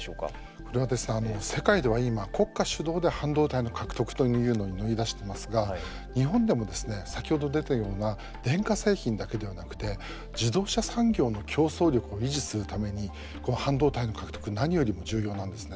これはですね、世界では今国家主導で半導体の獲得に乗り出していますが日本でも先ほど出たような電化製品だけではなくて自動車産業の競争力を維持するために半導体の獲得が何よりも重要なんですね。